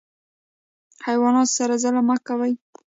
حیواناتو سره ظلم مه کوئ